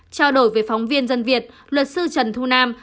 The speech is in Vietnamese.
trao đổi với phóng viên dân việt luật sư trần thu nam